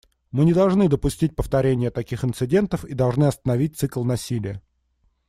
Мы не должны допустить повторения таких инцидентов и должны остановить цикл насилия.